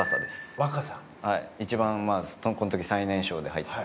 内村：一番、この時最年少で入って。